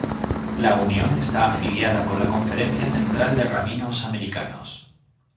La unión está afiliada con la Conferencia Central de Rabinos Americanos.